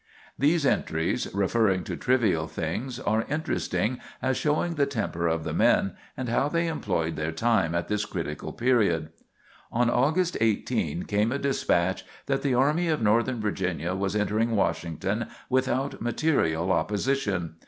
These entries referring to trivial things are interesting as showing the temper of the men, and how they employed their time at this critical period. On August 18 came a despatch that the Army of Northern Virginia was entering Washington without material opposition.